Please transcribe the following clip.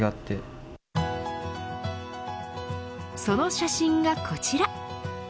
その写真がこちら。